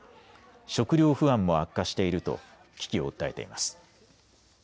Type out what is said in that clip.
食料不安も悪化していると危機を訴えています。